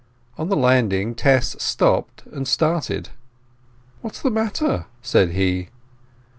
On the landing Tess stopped and started. "What's the matter?" said he.